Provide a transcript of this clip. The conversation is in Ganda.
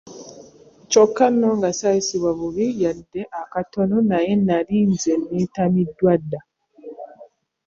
Kyokka nno nga ssaayisibwa bubi yadde akatono naye nali nze nneetamiddwa dda!